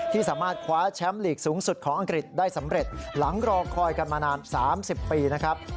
สามารถคว้าแชมป์ลีกสูงสุดของอังกฤษได้สำเร็จหลังรอคอยกันมานาน๓๐ปีนะครับ